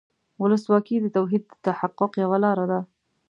ولسواکي د توحید د تحقق یوه لاره ده.